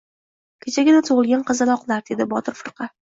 Kechagina tug‘ilgan qizaloqlar, — dedi Botir firqa.